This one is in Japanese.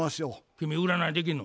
君占いできんの？